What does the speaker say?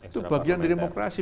itu bagian dari demokrasi